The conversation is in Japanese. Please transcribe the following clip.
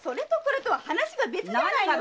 ⁉話が別じゃないの！